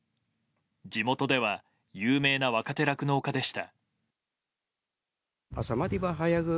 地元では有名な若手酪農家でした。